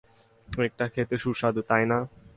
কেকটা খেতে সুস্বাদু, তাই না?